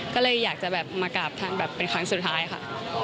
ก็เลยอยากจะแบบมากราบท่านแบบเป็นครั้งสุดท้ายค่ะ